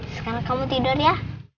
sekarang kamu tidur ya